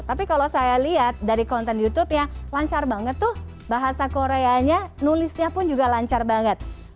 tapi kalau saya lihat dari konten youtube ya lancar banget tuh bahasa koreanya nulisnya pun juga lancar banget